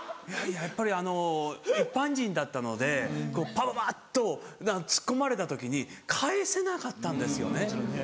やっぱりあの一般人だったのでパパパっとツッコまれた時に返せなかったんですよね。